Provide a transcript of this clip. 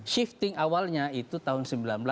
shifting awalnya itu tahun seribu sembilan ratus delapan